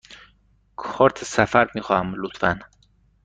کارت سفر می خواهم، لطفاً.